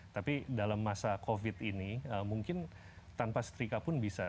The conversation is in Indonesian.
tapi dalam masa covid ini mungkin tanpa setrika pun bisa